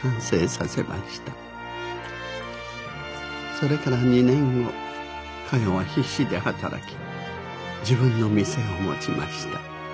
それから２年後かよは必死で働き自分の店を持ちました。